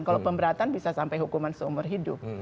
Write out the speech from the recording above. kalau pemberatan bisa sampai hukuman seumur hidup